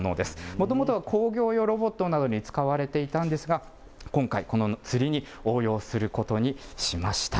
もともとは工業用ロボットなどに使われていたんですが、今回、この釣りに応用することにしました。